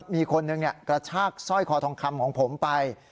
มีคนหนึ่งกระชากสร้อยคอทองคำของผมไป